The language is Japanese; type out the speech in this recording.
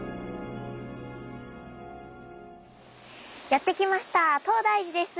やって来ました東大寺です！